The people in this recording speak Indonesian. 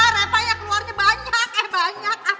repanya keluarnya banyak